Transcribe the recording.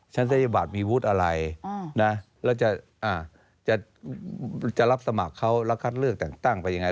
ศัยบัตรมีวุฒิอะไรนะแล้วจะรับสมัครเขาแล้วคัดเลือกแต่งตั้งไปยังไง